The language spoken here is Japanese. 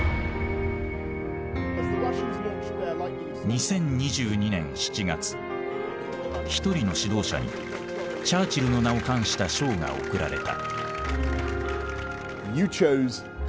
２０２２年７月一人の指導者にチャーチルの名を冠した賞が贈られた。